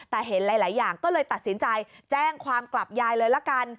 แต่เห็นหลายอย่างก็เลยตัดสินใจแจ้งความกลับยายเลยละกัน